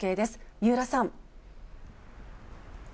三浦さん。